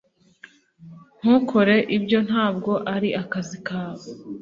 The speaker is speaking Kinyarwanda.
Ntukore ibyo Ntabwo ari akazi kawe